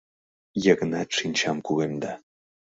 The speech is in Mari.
— Йыгнат шинчам кугемда.